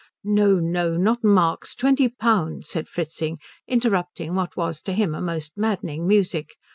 "No, no, not marks twenty pounds," said Fritzing, interrupting what was to him a most maddening music.